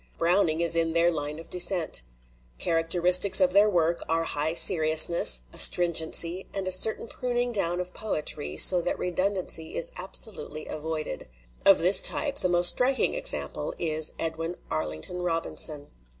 Browning is in their line of descent. Characteristics of their work are high seriousness, astringency, and a certain pruning down of poetry so that redundancy is 255 LITERATURE IN THE MAKING absolutely avoided. Of this type the most strik ing example is Edwin Arlington Robinson."